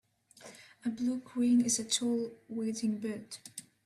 A blue crane is a tall wading bird.